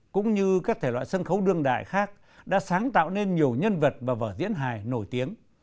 cũng như các thể loại sân khấu đương đại khác đã sáng tạo nên nhiều nhân vật và vở diễn hài nổi tiếng